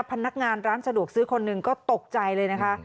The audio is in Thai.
พนักงานร้านสะดวกซื้อคนหนึ่งก็ตกใจเลยนะคะ